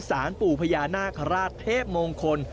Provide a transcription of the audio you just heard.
สารปู่พญานาคาราชเทพมงคล